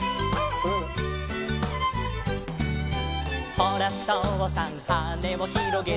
「ほらとうさんはねをひろげて」